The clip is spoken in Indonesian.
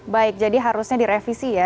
baik jadi harusnya direvisi ya